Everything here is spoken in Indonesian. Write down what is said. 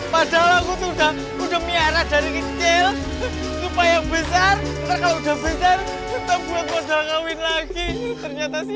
padahal aku sudah udah miara dari kecil supaya besar udah besar udah ngawin lagi ternyata si